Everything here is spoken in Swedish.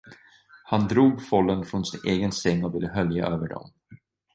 Han drog fållen från sin egen säng och ville hölja över dem.